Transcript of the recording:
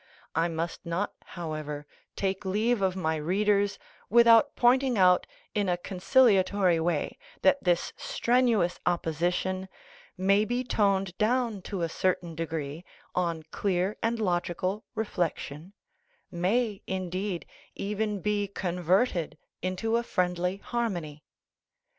I must not, however, take leave of my readers without pointing out in a conciliatory way that this strenuous opposition may be toned down to a certain degree on clear and logical reflection may, indeed, even be converted into a friendly harmony.